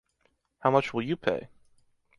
How much will you pay?